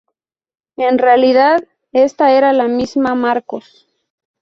En realidad, esta era la misma Markos.